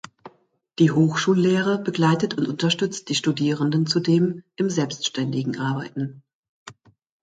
Die Hochschullehre begleitet und unterstützt die Studieren zudem im selbstständigen Arbeiten.